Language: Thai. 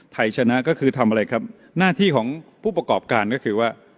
ไทยชนะก็คือทำอะไรครับหน้าที่ของผู้ประกอบการก็คือว่า